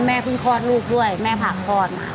แม่พื้นพอร์ตลูกด้วยแม่ผ่านพ่อน